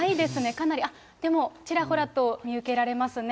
かなり、あっ、ちらほらと見受けられますね。